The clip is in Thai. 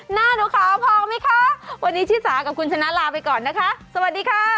หน้าหนูขาวพอไหมคะวันนี้ชิสากับคุณชนะลาไปก่อนนะคะสวัสดีค่ะ